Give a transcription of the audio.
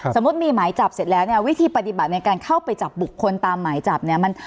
สมมุติมีหมายจับเสร็จแล้วเนี่ยวิธีปฏิบัติในการเข้าไปจับบุคคลตามหมายจับเนี่ย